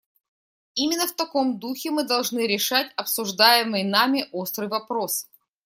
Именно в таком духе мы должны решать обсуждаемый нами острый вопрос.